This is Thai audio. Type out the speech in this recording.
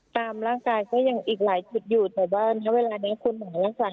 ตามร่างกายก็ยังอีกหลายจุดอยู่แต่ว่าณเวลานี้คุณหมอรักษา